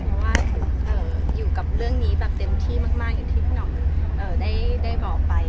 เพราะว่าอยู่กับเรื่องนี้แบบเต็มที่มากอย่างที่พี่หน่องได้บอกไป